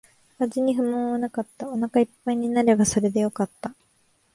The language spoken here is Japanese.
味に不満はなかった。お腹一杯になればそれでよかった。